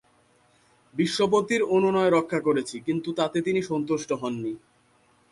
বিশ্বপতির অনুনয় রক্ষা করেছি কিন্তু তাতে তিনি সন্তুষ্ট হন নি।